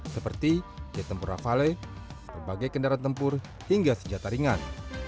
seperti jet tempur rafale berbagai kendaraan tempur hingga senjata ringan